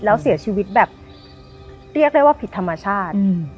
แล้วเสียชีวิตแบบเรียกได้ว่าผิดธรรมชาติ